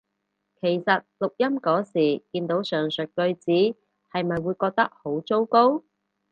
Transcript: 其實錄音嗰時見到上述句子係咪會覺得好糟糕？